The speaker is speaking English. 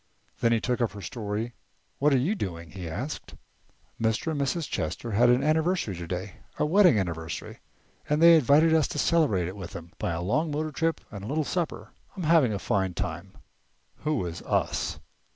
Then he took up her story. "What are you doing?" he asked. "Mr. and Mrs. Chester had an anniversary today, a wedding anniversary, and they invited us to celebrate it with them by a long motor trip and a little supper. I'm having a fine time." "Who is us?"